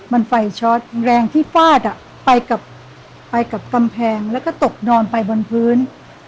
มันไฟช็อตแรงที่ฟาดอ่ะไปกับกำแพงแล้วก็ตกนอนไปบนพื้น